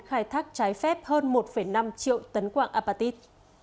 khai thác trái phép hơn một năm triệu tấn quạng apatit